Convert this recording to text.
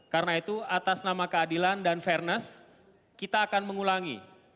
karena itu atas nama keadilan dan fairness kita akan mengulangi